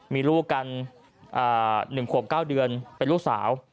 มีลูกกัน๑ขวบ๙เดือนเป็นลูกสาว